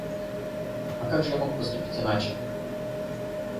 А как же я мог поступить иначе?